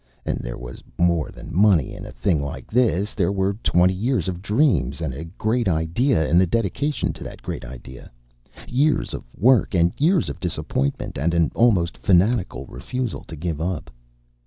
And there was more than money in a thing like this there were twenty years of dreams and a great idea and the dedication to that great idea years of work and years of disappointment and an almost fanatical refusal to give up.